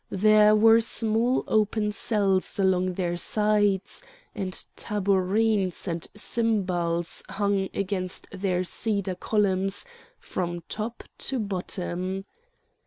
There were small open cells along their sides, and tabourines and cymbals hung against their cedar columns from top to bottom.